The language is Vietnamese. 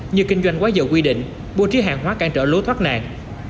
như kinh doanh quá dầu quy định bộ trí hàng hóa cản trở lố thoát nạn